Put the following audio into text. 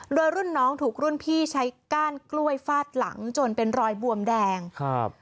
โดยรุ่นน้องถูกรุ่นพี่ใช้ก้านกล้วยฟาดหลังจนเป็นรอยบวมแดงครับ